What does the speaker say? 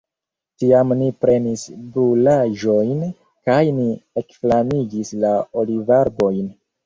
Tiam ni prenis brulaĵojn, kaj ni ekflamigis la olivarbojn.